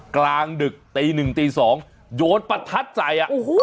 กลางดึกตีหนึ่งตี๒โยนประทัดใส่